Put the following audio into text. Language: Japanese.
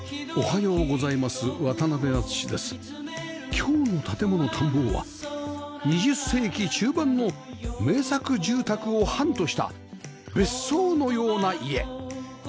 今日の『建もの探訪』は２０世紀中盤の名作住宅を範とした別荘のような家